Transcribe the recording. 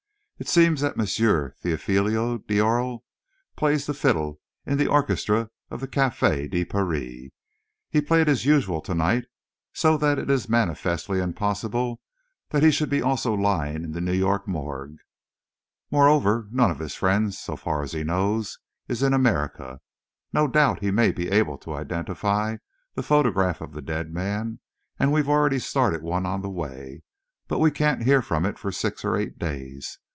It seems that M. Théophile d'Aurelle plays the fiddle in the orchestra of the Café de Paris. He played as usual to night, so that it is manifestly impossible that he should also be lying in the New York morgue. Moreover, none of his friends, so far as he knows, is in America. No doubt he may be able to identify the photograph of the dead man, and we've already started one on the way, but we can't hear from it for six or eight days.